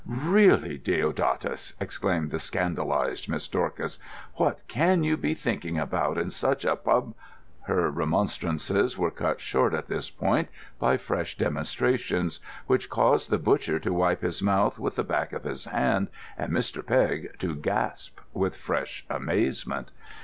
"Really, Deodatus!" exclaimed the scandalised Miss Dorcas. "What can you be thinking about, in such a pub——" Her remonstrances were cut short at this point by fresh demonstrations, which caused the butcher to wipe his mouth with the back of his hand and Mr. Pegg to gasp with fresh amazement.